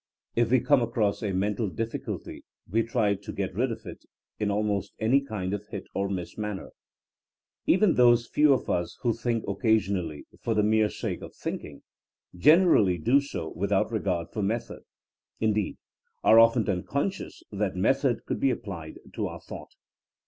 If we come across a mental difficulty we try to get rid of it in almost any kind of hit or miss manner. Even those few of us who think occasionally for the mere sake of think ing, generally do so without regard for method — ^indeed, are often unconscious that method could be applied to our thought.